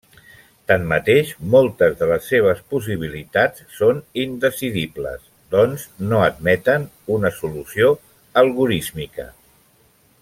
Tanmateix, moltes de les seves possibilitats són indecidibles, doncs no admeten una solució algorísmica.